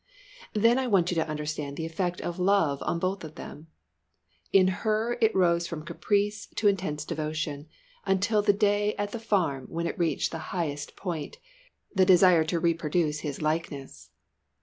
Then I want you to understand the effect of Love on them both. In her it rose from caprice to intense devotion, until the day at the Farm when it reached the highest point a desire to reproduce his likeness.